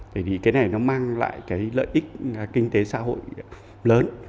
tại vì cái này nó mang lại cái lợi ích kinh tế xã hội lớn